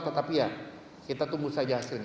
tetapi ya kita tunggu saja hasilnya